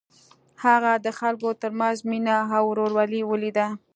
هغه د خلکو تر منځ مینه او ورورولي ولیده.